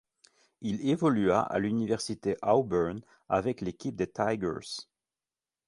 Il évolua à l'université Auburn avec l'équipe des Tigers.